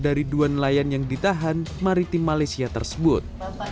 dari dua nelayan yang ditahan maritim malaysia tersebut